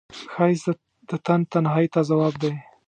ښایست د تن تنهایی ته ځواب دی